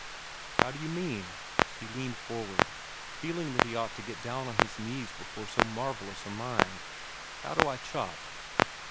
"How do you mean?" He leaned forward, feeling that he ought to get down on his knees before so marvellous a mind. "How do I chop?"